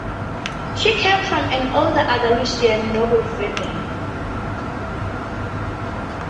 She came from an old Andalusian noble family.